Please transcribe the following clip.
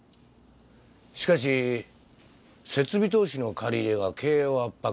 しかし設備投資の借り入れが経営を圧迫。